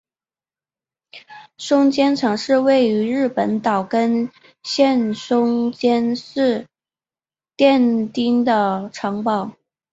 松江城是位于日本岛根县松江市殿町的城堡。